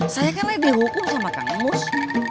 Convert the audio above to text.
saya kan lagi dihukum sama kamu sih